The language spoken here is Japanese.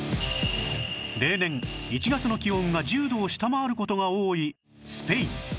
例年１月の気温が１０度を下回る事が多いスペイン